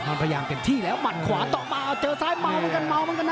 มันพยายามเต็มที่แล้วหมัดขวาต่อมาเอาเจอซ้ายเมาเหมือนกันเมาเหมือนกันนะ